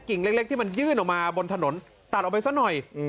เล็กที่มันยื่นออกมาบนถนนตัดออกไปซะหน่อย